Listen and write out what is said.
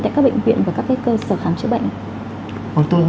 tại các bệnh viện và các cơ sở khám chữa bệnh